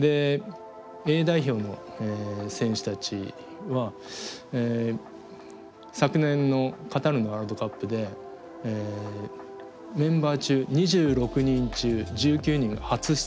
Ａ代表の選手たちは昨年のカタールのワールドカップでメンバー中２６人中１９人が初出場の選手だったんですね。